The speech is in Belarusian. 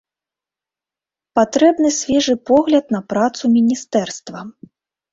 Патрэбны свежы погляд на працу міністэрства.